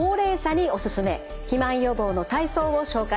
肥満予防の体操を紹介していきます。